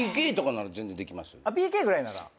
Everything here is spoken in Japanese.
ＰＫぐらいなら全然。